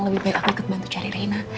lebih baik aku ikut bantu cari reina